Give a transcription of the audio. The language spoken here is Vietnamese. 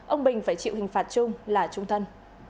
ông bình phải chịu hình phạt chung là trung thân